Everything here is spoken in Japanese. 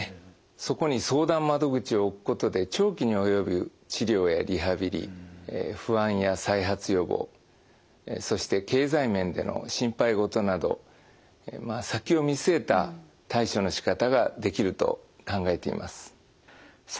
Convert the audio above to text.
そこに相談窓口を置くことで長期に及ぶ治療やリハビリ不安や再発予防そして経済面での心配事などまあ先を見据えた対処のしかたができると考えています。